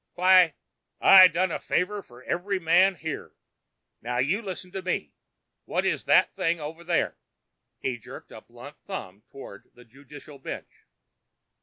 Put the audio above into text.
"Why, I done a favor for every man here! Now you listen to me! What is that thing over there?" He jerked a blunt thumb toward the judicial bench.